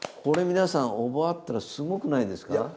これ皆さん覚えたらすごくないですか？